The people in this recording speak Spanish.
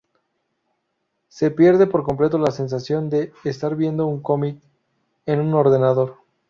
Se pierde por completo la sensación de estar viendo un cómic en un ordenador.